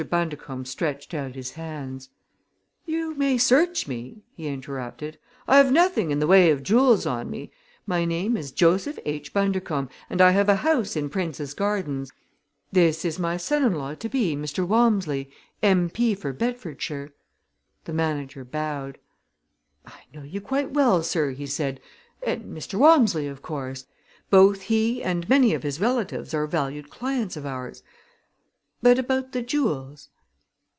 Bundercombe stretched out his hands. "You may search me!" he interrupted. "I have nothing in the way of jewels on me. My name is Joseph H. Bundercombe and I have a house in Prince's Gardens. This is my son in law to be, Mr. Walmsley, M.P. for Bedfordshire." The manager bowed. "I know you quite well, sir," he said, "and Mr. Walmsley, of course; both he and many of his relatives are valued clients of ours. But about the jewels?"